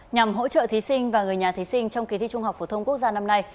nhằm hỗ trợ thí sinh và người nhà thí sinh trong kỳ thi trung học phổ thông quốc gia năm nay